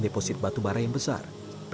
di bukit asam